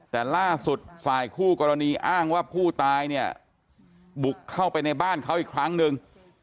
แต่ล่าสุดฝ่ายคู่กรณีอ้างว่าผู้ตายเนี่ยบุกเข้าไปในบ้านเขาอีกครั้งหนึ่ง